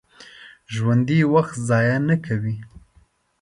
ژوندي وخت ضایع نه کوي